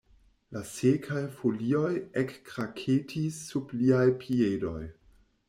La sekaj folioj ekkraketis sub liaj piedoj.